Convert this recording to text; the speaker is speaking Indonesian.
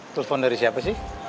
telepon dari siapa sih